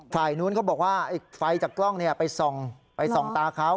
ฝ่ายนู้นเขาบอกว่าไฟจากกล้องไปส่องไปส่องตาเขา